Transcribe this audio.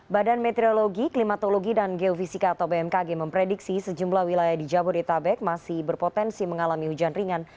badan meteorologi klimatologi dan geofisika atau bmkg memprediksi sejumlah wilayah di jabodetabek masih berpotensi mengalami hujan ringan